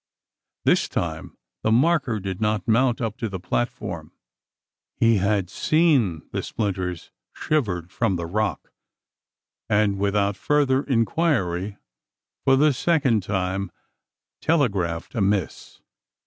This time the marker did not mount up to the platform. He had seen the splinters shivered from the rock; and without further inquiry, for the second time, telegraphed a miss.